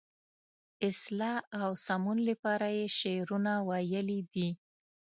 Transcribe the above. اصلاح او سمون لپاره یې شعرونه ویلي دي.